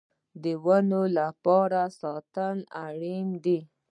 د ونو لپاره ساتنه اړین ده